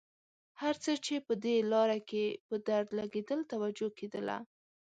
هر څه چې په دې لاره کې په درد لګېدل توجه کېدله.